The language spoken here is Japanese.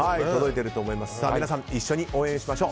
皆さん、一緒に応援しましょう。